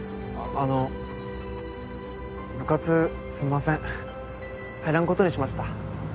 あの部活すんません入らんことにしました